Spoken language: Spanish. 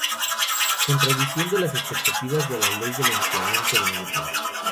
Contradiciendo las expectativas de la Ley del enfriamiento de Newton.